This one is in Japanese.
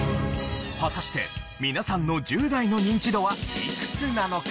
果たして皆さんの１０代のニンチドはいくつなのか？